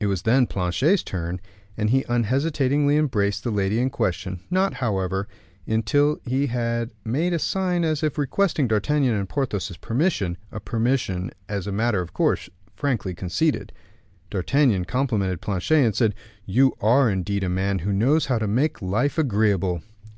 It was then Planchet's turn, and he unhesitatingly embraced the lady in question, not, however, until he had made a sign as if requesting D'Artagnan's and Porthos's permission, a permission as a matter of course frankly conceded. D'Artagnan complimented Planchet, and said, "You are indeed a man who knows how to make life agreeable."